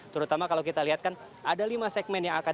terutama kalau kita lihat kan ada lima segmen yang akan